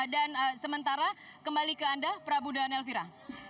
dan sementara kembali ke anda prabu daniel vira